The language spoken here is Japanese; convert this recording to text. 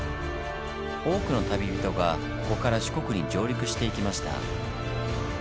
多くの旅人がここから四国に上陸していきました。